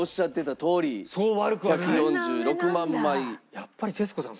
やっぱり徹子さん